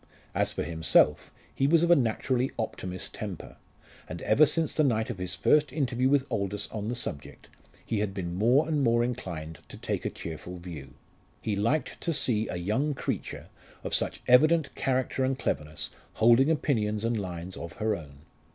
As for himself, he was of a naturally optimist temper, and ever since the night of his first interview with Aldous on the subject, he had been more and more inclining to take a cheerful view. He liked to see a young creature of such evident character and cleverness holding opinions and lines of her own.